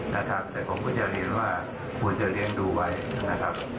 นะครับแต่ผมก็จะเรียนว่าควรจะเลี้ยงดูไว้นะครับ